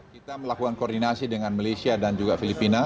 kita melakukan koordinasi dengan malaysia dan juga filipina